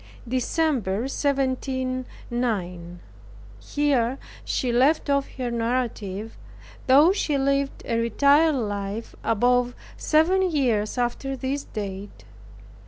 DECEMBER, 1709. Here she left off her narrative, though she lived a retired life above seven years after this date.